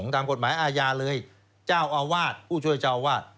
ตามกฎหมายอาญาเลยเจ้าอาวาสผู้ช่วยเจ้าอาวาส